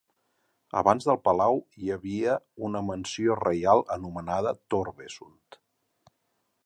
Abans del palau hi havia una mansió reial anomenada "Torvesund".